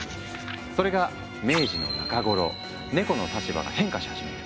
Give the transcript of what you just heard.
それが明治の中頃ネコの立場が変化し始める。